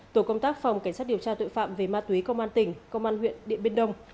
tổ công tác phòng cảnh sát điều tra tội phạm về ma túy công an tỉnh công an huyện điện biên đông